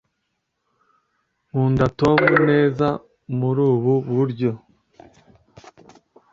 Nkunda Tom neza murubu buryo